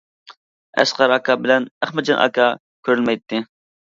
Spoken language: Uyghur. ئەسقەر ئاكا بىلەن ئەخمەتجان ئاكا كۆرۈنمەيتتى.